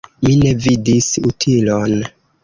Mi ne vidis utilon.